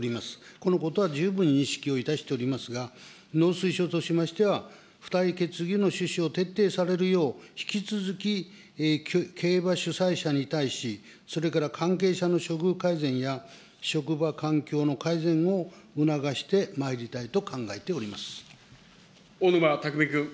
このことは十分認識をいたしておりますが、農水省としましては、付帯決議の趣旨を徹底されるよう、引き続き競馬主催者に対し、それから関係者の処遇改善や職場環境の改善を促してまいりたいと小沼巧君。